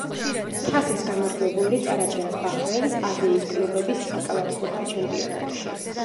თასის გამარჯვებული წარადგენს ბაჰრეინს აზიის კლუბების საკალათბურთო ჩემპიონატში.